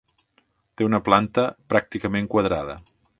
Té una planta pràcticament quadrada.